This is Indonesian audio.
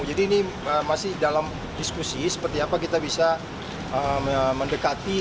jadi ini masih dalam diskusi seperti apa kita bisa mendekati